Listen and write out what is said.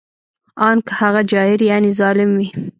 ان که هغه جائر یعنې ظالم وي